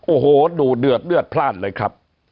โอ้โหดูเดือดเลือดพลาดเลยครับ